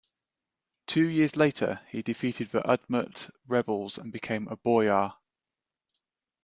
Two years later, he defeated the Udmurt rebels and became a boyar.